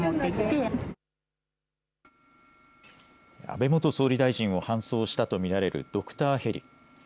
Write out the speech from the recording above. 安倍元総理大臣を搬送したとみられるドクターヘリ。